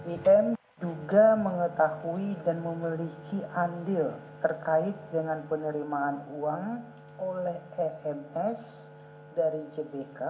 im duga mengetahui dan memiliki andil terkait dengan penerimaan uang oleh ems dari jbk